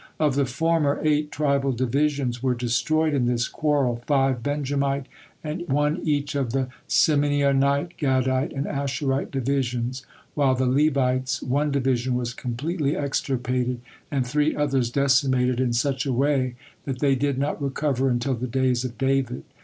Of the former, eight tribal divisions were destroyed in this quarrel, five Benjamite, and one each of the Simeonite, Gadite, and Asherite divisions, while of the Levites one division was completely extirpated, and three others decimated in such a way that they did not recover until the days of David.